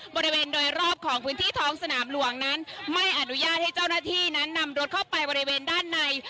บริเวณโดยรอบของพื้นที่ท้องสนามหลวงนั้นไม่อนุญาตให้เจ้าหน้าที่นั้นนำรถเข้าไปบริเวณด้านใน